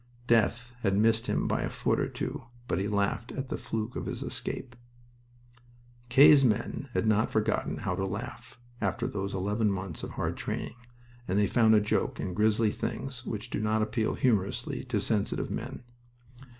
Death had missed him by a foot or two, but he laughed at the fluke of his escape. "K.'s men" had not forgotten how to laugh after those eleven months of hard training, and they found a joke in grisly things which do not appeal humorously to sensitive men.